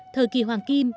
thời kỳ hoàng kim